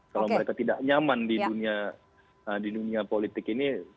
kalau mereka tidak nyaman di dunia politik ini